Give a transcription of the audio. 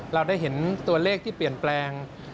เราได้เห็นตัวเลขที่เปลี่ยนแปลง